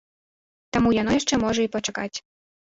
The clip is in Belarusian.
Таму яно яшчэ можа і пачакаць.